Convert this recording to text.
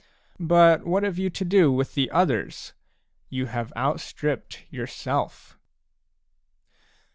But what have you to do with the others ? You have out stripped yourself.